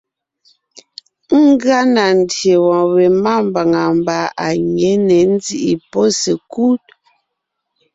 Ngʉa na ndyè wɔ̀ɔn we mámbàŋa mbà à nyě ne ńzíʼi pɔ́ sekúd.